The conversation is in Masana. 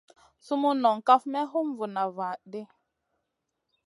Sumun nong kaf may hum vuna van di.